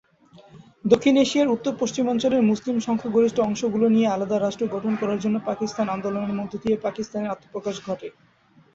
দক্ষিণ এশিয়ার উত্তর-পশ্চিমাঞ্চলের মুসলিম সংখ্যাগরিষ্ঠ অংশ গুলো নিয়ে আলাদা রাষ্ট্র গঠন করার জন্য পাকিস্তান আন্দোলনের মধ্য দিয়ে পাকিস্তানের আত্মপ্রকাশ ঘটে।